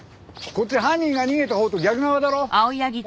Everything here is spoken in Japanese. こっち犯人が逃げたほうと逆側だろ？